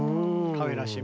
かわいらしい。